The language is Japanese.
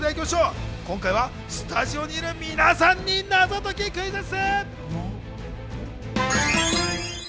今回、スタジオにいる皆さんに謎解きクイズッス。